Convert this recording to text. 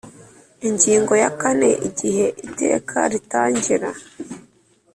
Ingingo ya kane Igihe Iteka ritangira